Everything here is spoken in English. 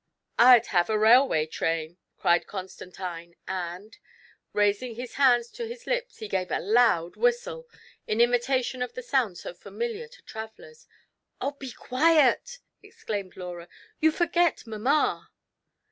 "I'd have a railway train," cried Constantine; and, raising his hands to his lips, he gave a loud whistle, in imitation of the sound so familiar to travellers. "Oh, be quiet!" exclaimed Laura; "you forget mamma